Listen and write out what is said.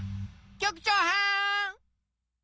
局長はん！